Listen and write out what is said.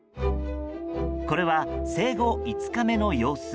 これは生後５日目の様子。